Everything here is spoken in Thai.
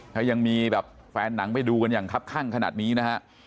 ถ้ายังมีแบบแฟนหนังไปดูกันอย่างครับข้างขนาดนี้นะฮะ